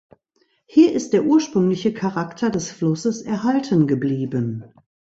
Hier ist der ursprüngliche Charakter des Flusses erhalten geblieben.